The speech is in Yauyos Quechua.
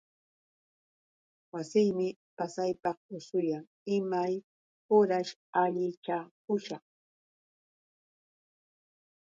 Wasiymi pasaypaq usuyan. Imay uraćh allichakushaq?